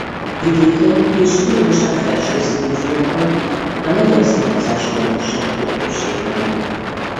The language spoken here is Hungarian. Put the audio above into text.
Vidéken és különösen Felső-Sziléziában a lengyel származású lakosság volt többségben.